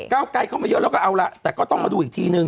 เก้าไกลเข้ามาเยอะแล้วก็เอาละแต่ก็ต้องมาดูอีกทีนึง